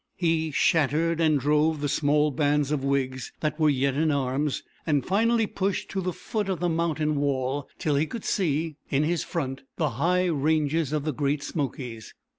He shattered and drove the small bands of Whigs that were yet in arms, and finally pushed to the foot of the mountain wall, till he could see in his front the high ranges of the Great Smokies.